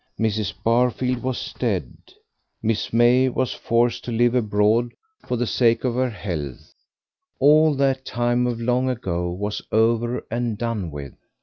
Mr. Barfield was dead, Miss May was forced to live abroad for the sake of her health; all that time of long ago was over and done with.